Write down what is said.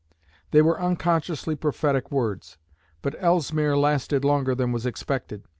They were unconsciously prophetic words. But Ellesmere lasted longer than was expected.